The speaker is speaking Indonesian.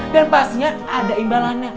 dan pasnya ada imbalannya